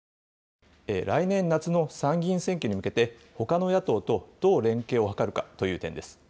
来年夏の参議院選挙に向けて、ほかの野党とどう連携を図るかという点です。